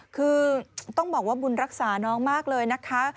คือต้องบอกว่าบุญรักษาน้องมากเลยนะคะ